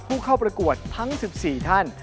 ผู้เข้าประกวดทั้ง๑๔ท่าน